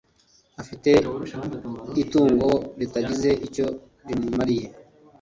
Afite itungo ritagize icyo rimumariye